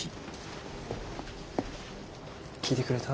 聞いてくれた？